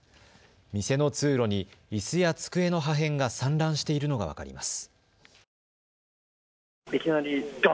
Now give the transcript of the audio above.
店の通路にいすや机の破片が散乱しているのが分かります。